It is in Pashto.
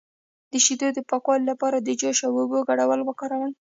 د شیدو د پاکوالي لپاره د جوش او اوبو ګډول وکاروئ